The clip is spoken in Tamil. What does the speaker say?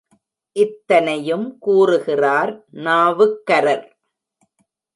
இத்தனையும் கூறுகிறார் நாவுக்கரர்.